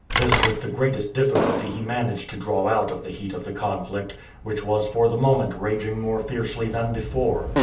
This with the greatest difficulty he managed to draw out of the heat of the conflict, which was for the moment raging more fiercely than before.